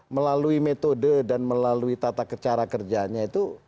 melalui metode dan melalui tata cara kerjanya itu